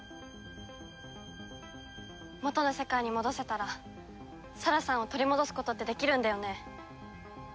元の世界に戻せたら沙羅さんを取り戻すことってできるんだよね？